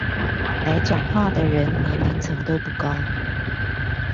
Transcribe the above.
來講話的人年齡層都不高